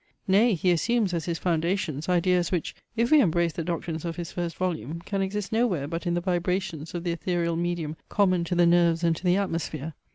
Nay, he assumes, as his foundations, ideas which, if we embrace the doctrines of his first volume, can exist no where but in the vibrations of the ethereal medium common to the nerves and to the atmosphere.